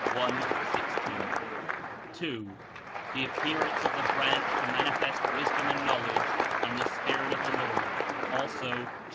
16) — (2) the appearance of the Branch to manifest wisdom and knowledge and the Spirit of the Lord (also Jer.